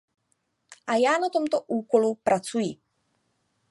A já na tomto úkolu pracuji.